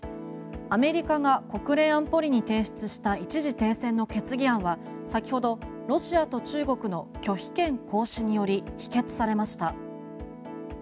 アメリカが国連安保理に提出した一時停戦の決議案は先ほどロシアと中国の拒否権行使により否決されました。